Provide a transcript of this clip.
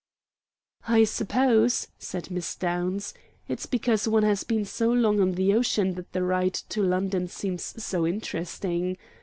"I suppose," said Mrs. Downs, "it's because one has been so long on the ocean that the ride to London seems so interesting.